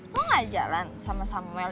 mau gak jalan sama samuel